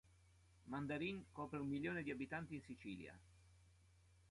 Mandarin copre un milione di abitanti in Sicilia.